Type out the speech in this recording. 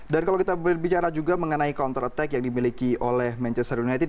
dan kalau kita bicara juga mengenai counter attack yang dimiliki oleh manchester united